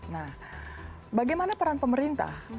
nah bagaimana peran pemerintah